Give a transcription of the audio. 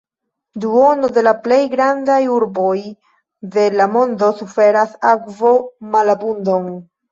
Duono de la plej grandaj urboj de la mondo suferas akvomalabundon.